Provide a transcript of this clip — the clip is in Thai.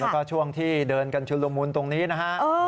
แล้วก็ช่วงที่เดินกันชุลมุนตรงนี้นะฮะ